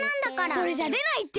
それじゃでないって！